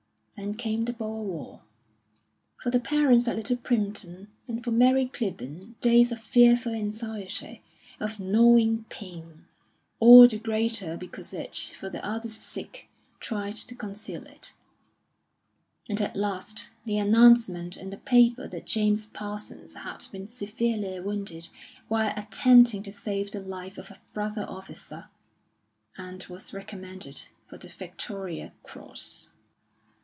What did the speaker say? Then came the Boer War; for the parents at Little Primpton and for Mary Clibborn days of fearful anxiety, of gnawing pain all the greater because each, for the other's sake, tried to conceal it; and at last the announcement in the paper that James Parsons had been severely wounded while attempting to save the life of a brother officer, and was recommended for the Victoria Cross.